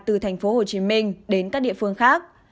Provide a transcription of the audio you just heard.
từ tp hcm đến các địa phương khác